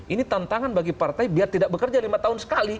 ini tantangan bagi partai biar tidak bekerja lima tahun sekali